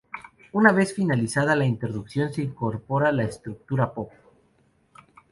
Una vez finalizada la introducción se incorpora la estructura pop.